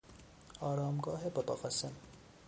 آرامگاه باباقاسم